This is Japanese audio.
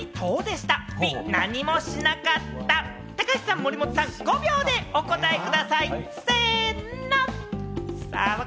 高橋さん、森本さん、５秒でお答えください！せの！